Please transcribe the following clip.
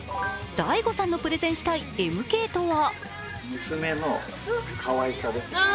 ＤＡＩＧＯさんのプレゼンしたいＭＫとは？